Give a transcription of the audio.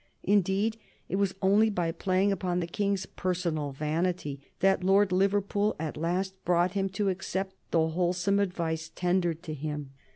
Indeed, it was only by playing upon the King's personal vanity that Lord Liverpool at last brought him to accept the wholesome advice tendered to him.